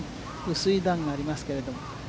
薄い段がありますけど。